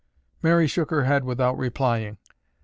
Mary shook her head without replying.